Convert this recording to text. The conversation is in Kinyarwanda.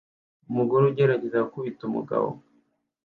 Umugore ugerageza gukubita umugabo